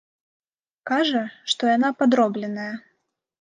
Кажа, што яна падробленая.